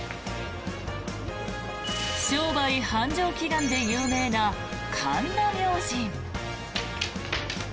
商売繁盛祈願で有名な神田明神。